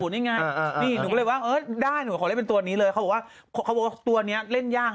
นี่นุก็เลยว่าก็ได้หนูขอเล่นเป็นตัวนี้เลยเค้าบอกว่าตัวเนี่ยเล่นยากมาก